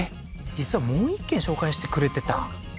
実はもう１軒紹介してくれてた？